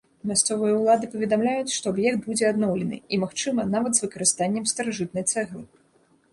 Мясцовыя ўлады паведамляюць, што аб'ект будзе адноўлены, і, магчыма, нават з выкарыстаннем старажытнай цэглы.